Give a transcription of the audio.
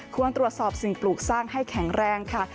ควรตรวจสอบสิ่งปลูกสร้างให้แข็งแรงค่ะ